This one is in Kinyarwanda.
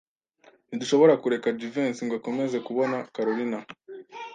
Ntidushobora kureka Jivency ngo akomeze kubona Kalorina.